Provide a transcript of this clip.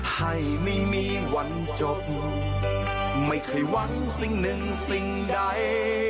ให้ไม่มีวันจบไม่เคยหวังสิ่งหนึ่งสิ่งใด